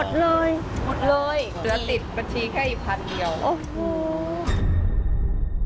เดี๋ยวติดปัญชีแค่อีกพันเดียวโอ้โฮ